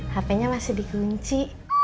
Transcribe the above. hp nya masih dikunci